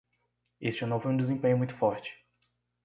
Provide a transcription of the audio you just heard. Este não foi um desempenho muito forte.